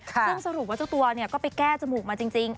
ซึ่งสรุปว่าเจ้าตัวก็ไปแก้จมูกมาจริง